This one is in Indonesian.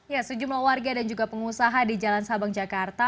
ya sejumlah warga dan juga pengusaha di jalan sabang jakarta